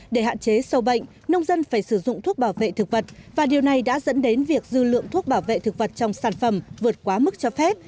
để hạn chế sâu bệnh nông dân phải sử dụng thuốc bảo vệ thực vật và điều này đã dẫn đến việc dư lượng thuốc bảo vệ thực vật trong sản phẩm vượt quá mức cho phép